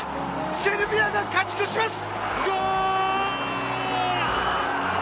セルビアが勝ち越します！